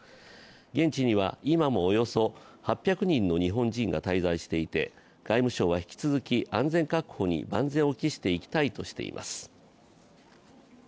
現地には今もおよそ８００人の日本人が滞在していて外務省は引き続き安全確保に万全を期していきたいとしています。